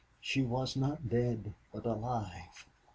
She was not dead, but alive.